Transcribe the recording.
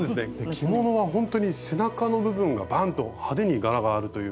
着物はほんとに背中の部分がバンと派手に柄があるというか。